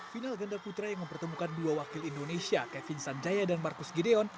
final ganda putra yang mempertemukan dua wakil indonesia kevin sanjaya dan marcus gideon